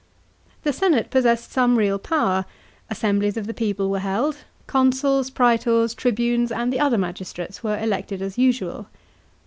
The senate possessed some real power; assemblies of the people were held ; consuls, praetors, tribunes, and the other magistrates were elected as usual.